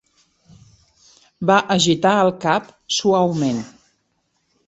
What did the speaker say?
Va agitar el cap suaument.